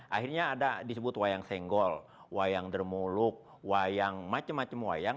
akhirnya ada disebut wayang senggol wayang dermuluk wayang macam macam wayang